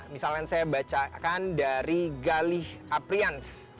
misalnya saya bacakan dari galih aprians